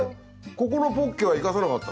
ここのポッケは生かさなかったの？